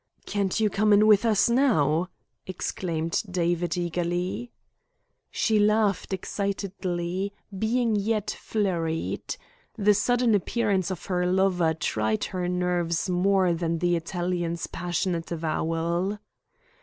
"Can't you come in with us now?" exclaimed David eagerly. She laughed excitedly, being yet flurried. The sudden appearance of her lover tried her nerves more than the Italian's passionate avowal.